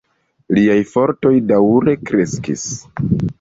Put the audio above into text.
Liaj fortoj daŭre kreskis.